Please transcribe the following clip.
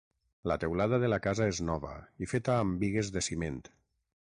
La teulada de la casa és nova i feta amb bigues de ciment.